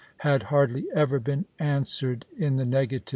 " had hardly ever been answered in the negative.